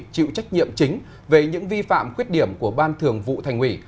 chịu trách nhiệm chính về những vi phạm khuyết điểm của ban thường vụ thành ủy